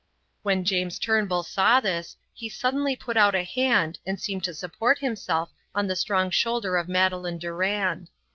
When James Turnbull saw this he suddenly put out a hand and seemed to support himself on the strong shoulder of Madeleine Durand.